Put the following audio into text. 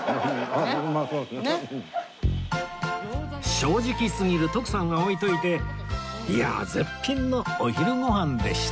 正直すぎる徳さんは置いといていやあ絶品のお昼ご飯でした